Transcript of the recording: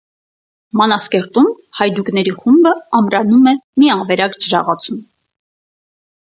Մանազկերտում հայդուկների խումբը ամրանում է մի ավերակ ջրաղացում։